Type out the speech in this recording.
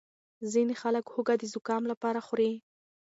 ځینې خلک هوږه د زکام لپاره خوري.